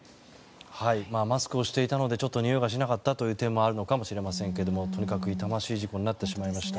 マスクをしていたのでにおいがしなかったという点もあるのかもしれませんけれどもとにかく痛ましい事故になってしまいました。